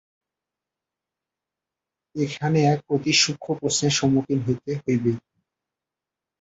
এখানে এক অতি সূক্ষ্ম প্রশ্নের সম্মুখীন হইতে হইবে।